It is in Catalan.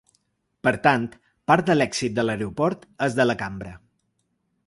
Per tant, part de l’èxit de l’aeroport és de la cambra.